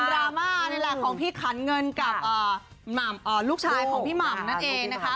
รามานี่แหละของพี่ขันเงินกับลูกชายของพี่หม่ำนั่นเองนะคะ